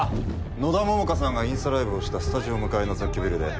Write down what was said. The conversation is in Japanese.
野田桃花さんがインスタライブをしたスタジオ向かいの雑居ビルで。